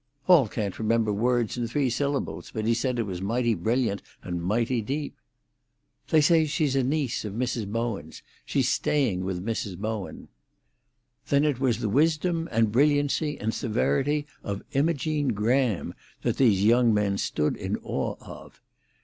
"Hall can't remember words in three syllables, but he says it was mighty brilliant and mighty deep." "They say she's a niece of Mrs. Bowen's. She's staying with Mrs. Bowen." Then it was the wisdom and brilliancy and severity of Imogene Graham that these young men stood in awe of!